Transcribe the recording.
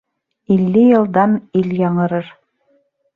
Илле йылдан ил яңырыр